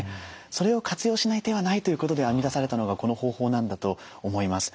それを活用しない手はないということで編み出されたのがこの方法なんだと思います。